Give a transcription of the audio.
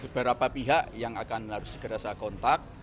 beberapa pihak yang akan harus terasa kontak